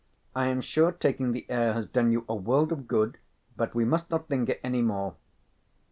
I am sure taking the air has done you a world of good, but we must not linger any more."